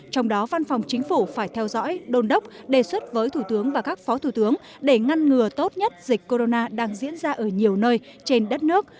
trong đó văn phòng chính phủ phải theo dõi đồn đốc đề xuất với thủ tướng và các phó thủ tướng để ngăn ngừa tốt nhất dịch corona đang diễn ra ở nhiều nơi trên đất nước